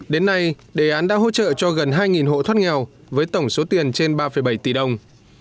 đến nay đề án đã hỗ trợ cho gần hai hộ thoát nghèo với tổng số tiền trên ba bảy tỷ đồng